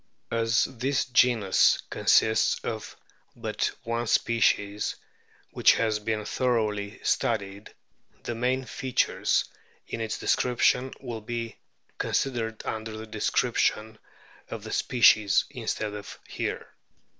As this genus consists of but one species, which has been thoroughly studied, the main features in its description will be considered under the description of the species instead of here.